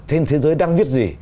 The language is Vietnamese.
thế giới đang viết gì